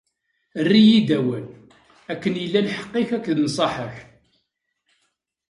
Err-iyi-d awal, akken yella lḥeqq-ik akked nnṣaḥa-k.